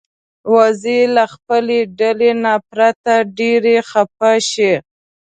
وزې له خپلې ډلې نه پرته ډېرې خپه شي